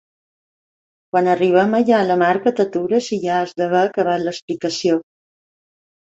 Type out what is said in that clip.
Quan arribem allà a la marca t'atures i ja has d'haver acabat l'explicació.